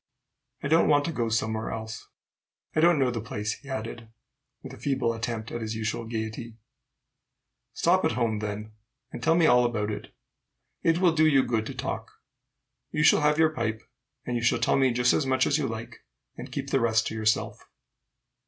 "I don't want to go somewhere else. I don't know the place," he added, with a feeble attempt at his usual gayety. "Stop at home, then, and tell me all about it. It will do you good to talk. You shall have your pipe, and you shall tell me just as much as you like, and keep the rest to yourself."